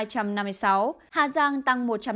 hà giang tăng một trăm linh một